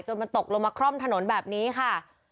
มันตกลงมาคร่อมถนนแบบนี้ค่ะ